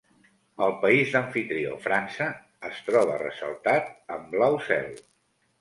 El país d'amfitrió, França, es troba ressaltat en blau cel.